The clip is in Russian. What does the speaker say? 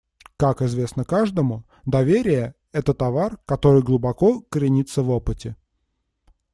Как известно каждому, доверие − это товар, который глубоко коренится в опыте.